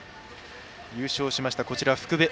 優勝しました、福部。